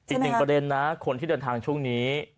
อีกหนึ่งประเด็นนะคนที่เดินทางช่วงนี้